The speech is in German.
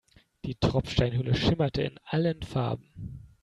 Die Tropfsteinhöhle schimmerte in allen Farben.